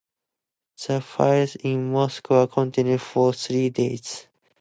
The fires in Moscow continued for three days.